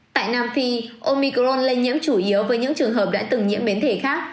tại nam phi omicron lây nhiễm chủ yếu với những trường hợp đã từng nhiễm biến thể khác